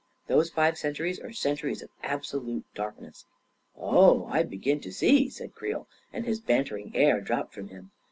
Those five centuries are centuries of absolute darkness !"" Oh; I begin to see 1 " said Creel, and his banter ing air dropped from him.